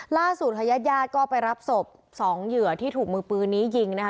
ล่าสู่ทยายาทก็ไปรับศพ๒เหยื่อที่ถูกมือปืนนี้ยิงนะคะ